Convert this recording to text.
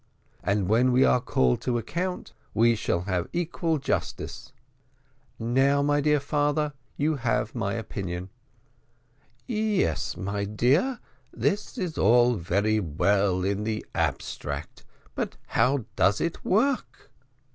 And when we are all called to account, we shall have equal justice. Now, my dear father, you have my opinion." "Yes, my dear, this is all very well in the abstract; but how does it work?"